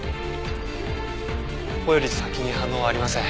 ここより先に反応はありません。